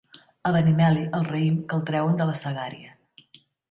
A Benimeli, el raïm, que el trauen de la Segària.